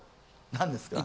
何ですか？